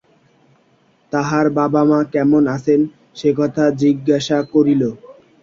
তাহার মা-বাবা কেমন আছেন সেকথা জিজ্ঞাসা করিল।